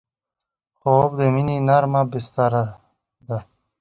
خوب د مینې نرمه بستر ده